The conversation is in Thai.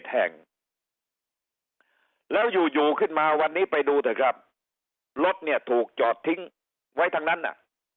แห่งแล้วอยู่อยู่ขึ้นมาวันนี้ไปดูเถอะครับรถเนี่ยถูกจอดทิ้งไว้ทั้งนั้นน่ะ